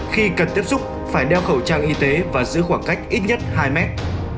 khi cần tiếp xúc phải đeo khẩu trang y tế và giữ khoảng cách ít nhất hai mét